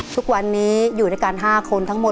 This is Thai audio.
ทุกวันนี้อยู่ในการ๕คนทั้งหมด